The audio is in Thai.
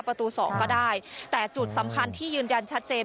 ประตูสองก็ได้แต่จุดสำคัญที่ยืนยันชัดเจน